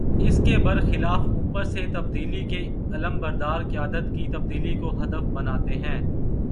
اس کے بر خلاف اوپر سے تبدیلی کے علم بردار قیادت کی تبدیلی کو ہدف بناتے ہیں۔